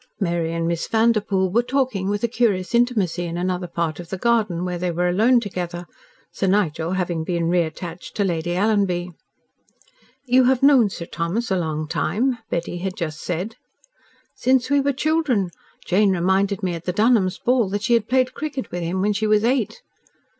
..... Mary and Miss Vanderpoel were talking with a curious intimacy, in another part of the garden, where they were together alone, Sir Nigel having been reattached to Lady Alanby. "You have known Sir Thomas a long time?" Betty had just said. "Since we were children. Jane reminded me at the Dunholms' ball that she had played cricket with him when she was eight."